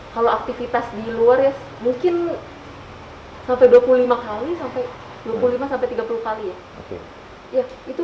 kalau aktivitas di luar mungkin sampai dua puluh lima tiga puluh kali